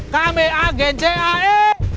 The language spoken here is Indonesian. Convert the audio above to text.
kami agen cae